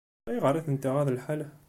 Ayɣer i tent-iɣaḍ lḥal?